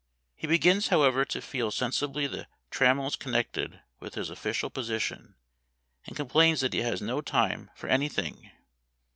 He begins, however, to feel sensibly the trammels connected with his official posi tion, and complains that he has no time for any thing.